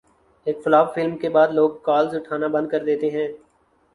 ایک flop film کے بعد لوگ کالز اٹھانا بند کردیتے ہیں